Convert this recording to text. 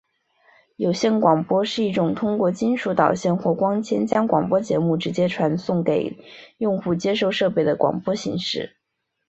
有线广播是一种通过金属导线或光纤将广播节目直接传送给用户接收设备的广播形式。